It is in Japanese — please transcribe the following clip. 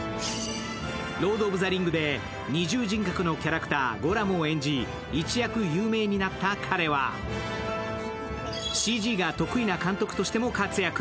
「ロード・オブ・ザ・リング」で二重人格のキャラクター、ゴラムを演じ、一躍有名になった彼はＣＧが得意な監督としても活躍。